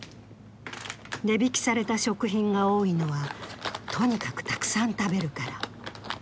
値引きされた食品が多いのは、とにかくたくさん食べるから。